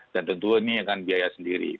dan tentu ini akan biaya sendiri